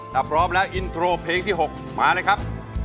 ถ้าพร้อมแล้วอินโทรเพลงที่๖มาเลยครับ